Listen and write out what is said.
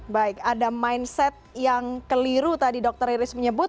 baik ada mindset yang keliru tadi dr iris menyebut